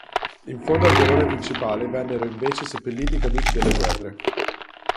In fondo al vialone principale vennero invece seppelliti i caduti delle guerre.